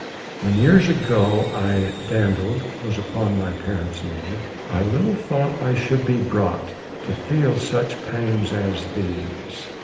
"When years ago, I dandled was Upon my parents' knees, I little thought I should be brought To feel such pangs as these.